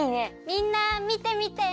みんなみてみて！